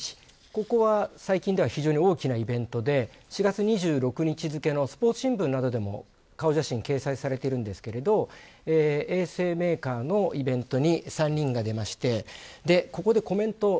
ここは、最近では非常に大きなイベントで４月２６日付のスポーツ新聞などでも顔写真が掲載されていますが衛生メーカーのイベントに３人が出ましてここでコメント。